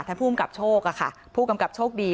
ท่านผู้กำกับโชคค่ะผู้กำกับโชคดี